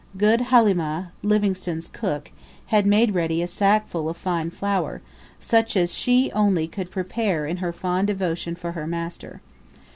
Good Halimah, Livingstone's cook, had made ready a sackful of fine flour, such as she only could prepare in her fond devotion for her master.